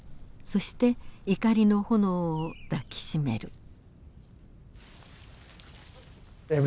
そして「怒りの炎」を抱きしめる。